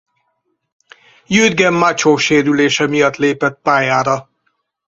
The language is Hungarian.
Jürgen Macho sérülése miatt lépett pályára.